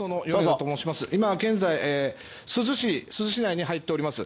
今現在珠洲市内に入っております。